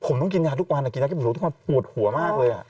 ผมต้องกินยาทุกวันเก็บเชื่อเป็นตะกรุหนูต้องมาปวดหัวมากเลย